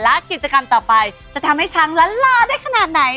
และกิจกรรมต่อไปจะทำให้ช้างล้านลาได้ขนาดไหน